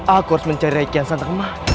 aku harus mencari rai kian santang